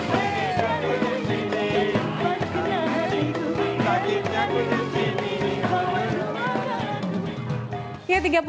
sakitnya ku disini